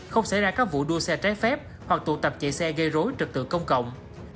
không xảy ra các vụ đua xe trái phép hoặc tụ tập chạy xe gây rối trực tự công cộng